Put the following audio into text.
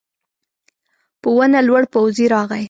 په ونه لوړ پوځي راغی.